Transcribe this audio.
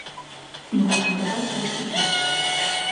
Мы хочам прадаць рэшту піва.